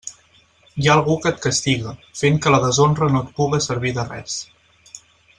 Hi ha algú que et castiga, fent que la deshonra no et puga servir de res.